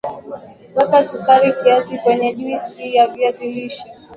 weka sukari kiasi kwenye juisi ya viazi lishe